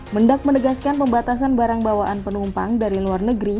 mendak menegaskan pembatasan barang bawaan penumpang dari luar negeri